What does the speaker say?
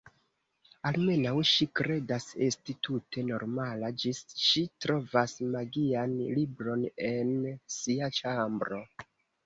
Almenaŭ ŝi kredas esti tute normala, ĝis ŝi trovas magian libron en sia ĉambro.